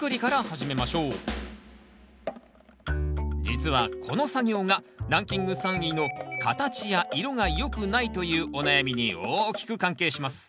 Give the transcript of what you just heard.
実はこの作業がランキング３位の形や色がよくないというお悩みに大きく関係します。